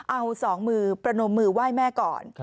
เอาสองมือประนมมือไหว้แม่ก่อน